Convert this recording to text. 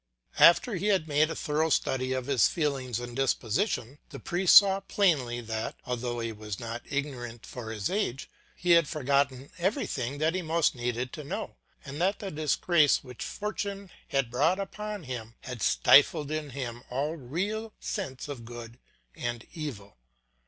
After he had made a thorough study of his feelings and disposition, the priest saw plainly that, although he was not ignorant for his age, he had forgotten everything that he most needed to know, and that the disgrace which fortune had brought upon him had stifled in him all real sense of good and evil.